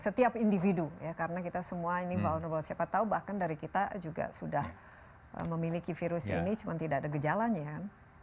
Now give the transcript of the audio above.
setiap individu ya karena kita semua ini vulnerable siapa tahu bahkan dari kita juga sudah memiliki virus ini cuma tidak ada gejalanya kan